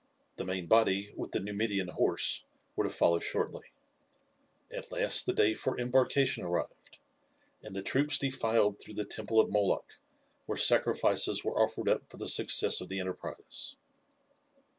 The main body, with the Numidian horse, were to follow shortly. At last the day for embarkation arrived, and the troops defiled through the temple of Moloch, where sacrifices were offered up for the success of the enterprise.